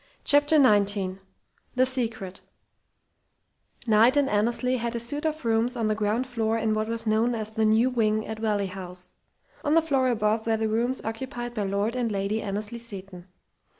CHAPTER XIX THE SECRET Knight and Annesley had a suite of rooms on the ground floor in what was known as "the new wing" at Valley House. On the floor above were the rooms occupied by Lord and Lady Annesley Seton.